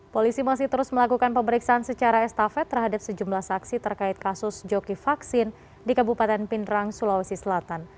polisi masih terus melakukan pemeriksaan secara estafet terhadap sejumlah saksi terkait kasus joki vaksin di kabupaten pindrang sulawesi selatan